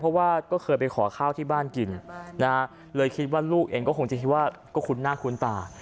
เพราะว่าก็เคยไปขอข้าวที่บ้านกินนะฮะเลยคิดว่าลูกเองก็คงจะคิดว่าก็คุ้นหน้าคุ้นตา